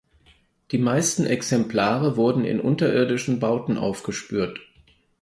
Die meisten Exemplare wurden in unterirdischen Bauen aufgespürt.